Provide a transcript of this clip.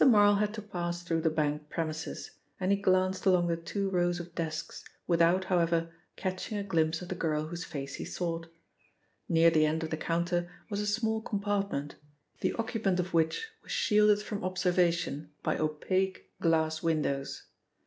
MARL had to pass through the bank premises, and he glanced along the two rows of desks without, however, catching a glimpse of the girl whose face he sought. Near the end of the counter was a small compartment, the occupant of which was shielded from observation by opaque glass windows.